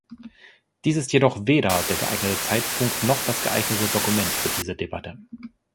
Dies ist jedoch weder der geeignete Zeitpunkt noch das geeignete Dokument für diese Debatte.